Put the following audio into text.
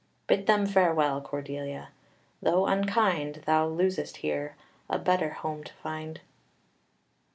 Bid them farewell, Cordelia, though unkind; thou losest here, a better home to find."